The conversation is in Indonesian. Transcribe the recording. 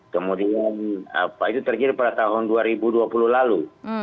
kemudian apa itu terjadi pada tahun dua ribu dua puluh lalu